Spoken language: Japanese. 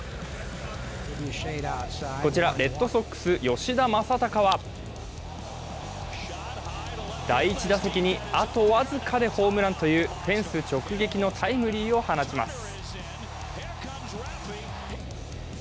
こちら、レッドソックス・吉田正尚は、第１打席にあと僅かでホームランという、フェンス直撃のタイムリーを放ちます。